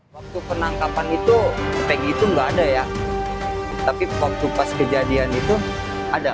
waktu penangkapan itu kayak gitu nggak ada ya tapi waktu pas kejadian itu ada